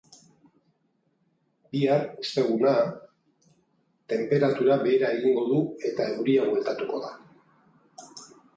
Bihar, osteguna, tenperatura behera egingo du eta euria bueltatuko da.